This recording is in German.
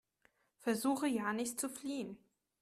Versuche ja nicht zu fliehen!